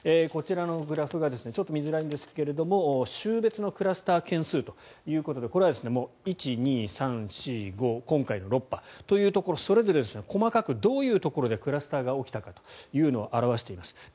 こちらのグラフがちょっと見づらいんですが週別のクラスター件数ということでこれは１、２、３、４、５と今回の６波というところそれぞれ細かくどういうところでクラスターが起きたかというのを表しています。